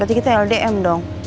berarti kita ldm dong